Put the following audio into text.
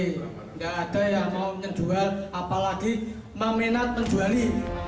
nggak ada yang mau menjual apalagi memenat menjuali